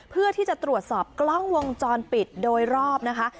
เพื่อที่จะตรวจสอบกล้องวงจรปิดโดยรอบนะคะ